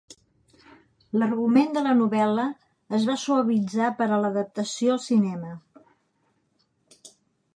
L'argument de la novel·la es va suavitzar per a l'adaptació al cinema.